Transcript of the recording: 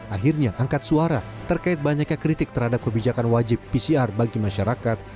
akhirnya angkat suara terkait banyaknya kritik terhadap kebijakan wajib pcr bagi masyarakat